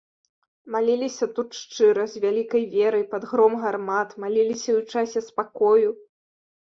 Маліліся тут шчыра, з вялікай верай, пад гром гармат, маліліся і ў часе спакою.